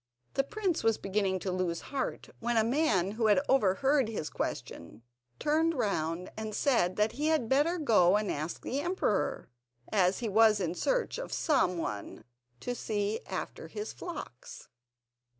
The prince was beginning to lose heart, when a man who had overheard his question turned round and said that he had better go and ask the emperor, as he was in search of some one to see after his flocks.